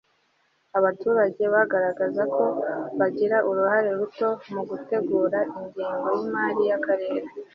abaturage bagaragaza ko bagira uruhare ruto mu gutegura ingengo y imari y akarere